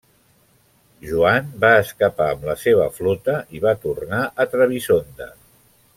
Joan va escapar amb la seva flota, i va tornar a Trebisonda.